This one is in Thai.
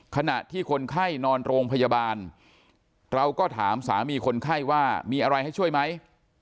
ขณะที่คนไข้นอนโรงพยาบาลเราก็ถามสามีคนไข้ว่ามีอะไรให้ช่วยไหม